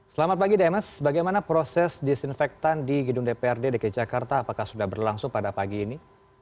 selamat pagi demes bagaimana proses disinfektan di gedung dprd dki jakarta apakah sudah berlangsung pada pagi ini